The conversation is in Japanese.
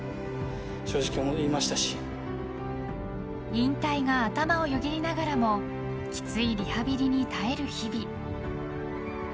引退が頭をよぎりながらもきついリハビリに耐える日々。